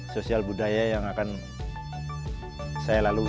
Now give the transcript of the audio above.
sosial budaya yang akan saya lalui